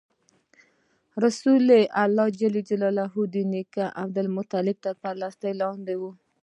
رسول الله ﷺ د نیکه عبدالمطلب تر سرپرستۍ لاندې و.